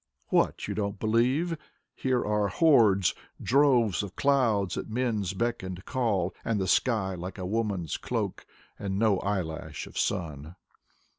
What, you don't believe? Here are hordes, Droves of clouds at men's beck and call, And the sky like a woman's cloak. And no eyelash of sun.